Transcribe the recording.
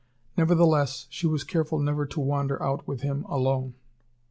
Nevertheless, she was careful never to wander out with him alone.